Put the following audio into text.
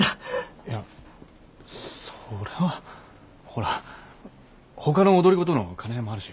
いやそれはほらほかの踊り子との兼ね合いもあるし。